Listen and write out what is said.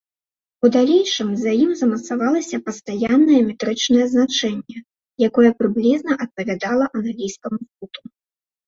У далейшым за ім замацавалася пастаяннае метрычнае значэнне, якое прыблізна адпавядала англійскаму футу.